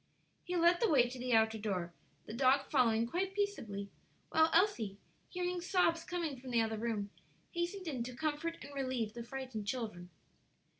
He led the way to the outer door, the dog following quite peaceably, while Elsie, hearing sobs coming from the other room, hastened in to comfort and relieve the frightened children.